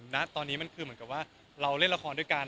ณตอนนี้มันคือเหมือนกับว่าเราเล่นละครด้วยกัน